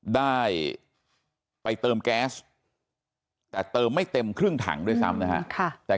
ได้ไปเติมแก๊สแต่เติมไม่เต็มครึ่งถังด้วยซ้ำนะฮะ